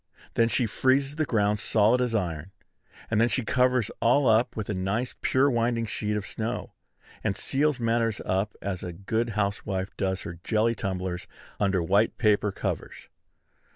Then she freezes the ground solid as iron; and then she covers all up with a nice pure winding sheet of snow, and seals matters up as a good housewife does her jelly tumblers under white paper covers.